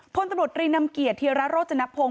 พตรรีนำเกียร์เทียราโรจนพงศ์